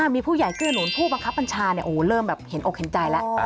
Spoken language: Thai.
มีผู้ใหญ่เกื้อหนุนผู้บังคับบัญชาเริ่มแบบเห็นอกเห็นใจแล้ว